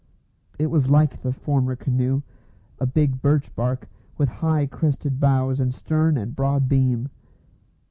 It was like the former canoe, a big birch bark, with high crested bows and stern and broad beam.